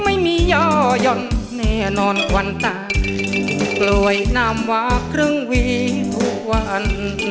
ไม่มีย่อย่อนแน่นอนควันตากกล้วยน้ำวาครึ่งวีทุกวัน